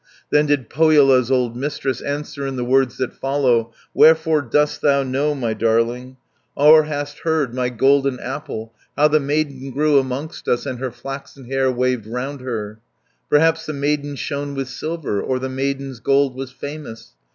Then did Pohjola's old Mistress Answer in the words that follow: "Wherefore dost thou know, my darling, Or hast heard, my golden apple, 410 How the maiden grew amongst us, And her flaxen hair waved round her? Perhaps the maiden shone with silver, Or the maiden's gold was famous.